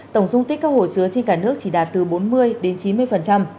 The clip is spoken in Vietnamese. tổng dung tích các hồ chứa trên cả nước chỉ đạt từ bốn mươi đến chín mươi